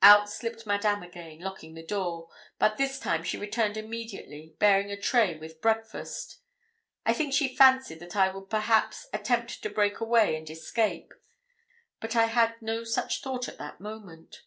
Out slipped Madame again, locking the door; but this time she returned immediately, bearing a tray with breakfast. I think she fancied that I would perhaps attempt to break away and escape; but I had no such thought at that moment.